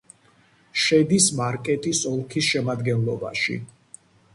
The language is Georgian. შედის მარკეტის ოლქის შემადგენლობაში.